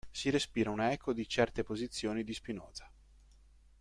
Si respira una eco di certe posizioni di Spinoza.